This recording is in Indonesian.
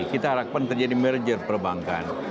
kita harapkan terjadi merger perbankan